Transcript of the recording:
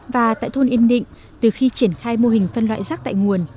và tại thôn yên định từ khi triển khai mô hình phân loại rác tại nguồn